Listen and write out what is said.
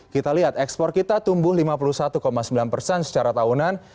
kita lihat ekspor kita tumbuh lima puluh satu sembilan persen secara tahunan